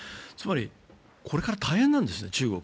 つまりこれから中国は大変なんです。